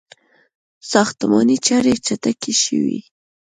• ساختماني چارې چټکې شوې.